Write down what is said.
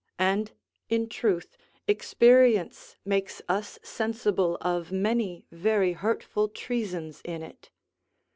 And, in truth, experience makes us sensible of many very hurtful treasons in it.